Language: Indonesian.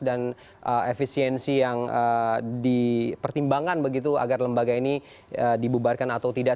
dan efisiensi yang dipertimbangkan begitu agar lembaga ini dibubarkan atau tidak